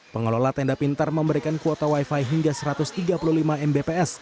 pengelola tenda pintar memberikan kuota wifi hingga satu ratus tiga puluh lima mbps